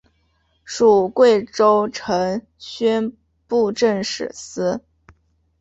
属贵州承宣布政使司。